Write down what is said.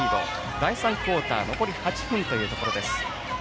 第３クオーター残り８分というところです。